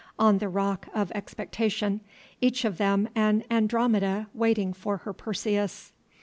on the rock of expectation, each of them an Andromeda waiting for her Perseus.